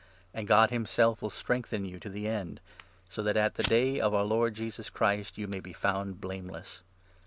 And God himself will strengthen you to the 8 end, so that at the Day of our Lord Jesus Christ you may be found blameless.